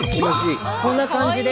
こんな感じで。